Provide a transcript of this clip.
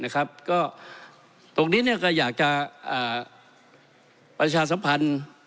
ก็ตรงนี้ก็อยากจะประชาสัมพันธ์